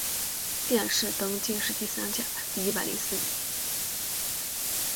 殿试登进士第三甲第一百零四名。